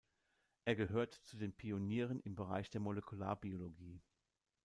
Er gehört zu den Pionieren im Bereich der Molekularbiologie.